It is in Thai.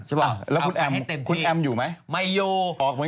เอาไปให้เต็มที่อ้าวแล้วคุณแอมคุณแอมอยู่ไหมออกไปด้วยออกไปด้วย